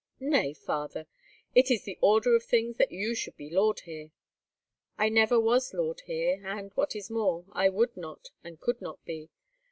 "Nay, father, it is in the order of things that you should be lord here." "I never was lord here, and, what is more, I would not, and could not be.